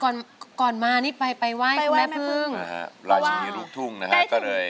ก่อนก่อนก่อนมานี่ไปไปไว้ไปไว้แม่เพิ่งอ่าฮะรายชีวิตลูกทุ่งนะฮะก็เลย